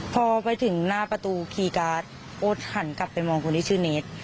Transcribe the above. พอไปถึงหน้าประตูคีย์การ์ดโอ๊ตหันกลับไปมองคนที่ชื่อเนส